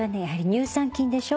乳酸菌でしょ。